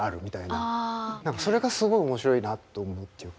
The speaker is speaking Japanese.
何かそれがすごい面白いなと思うっていうか。